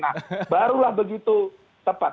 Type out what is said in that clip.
nah barulah begitu tepat